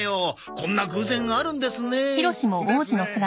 こんな偶然あるんですね。ですね。